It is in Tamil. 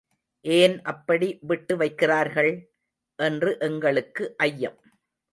ஏன் அப்படி விட்டு வைக்கிறார்கள்? என்று எங்களுக்கு ஐயம்.